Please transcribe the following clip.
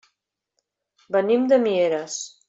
Venim de Mieres.